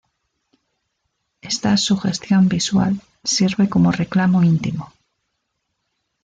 Esta sugestión visual sirve como reclamo intimo.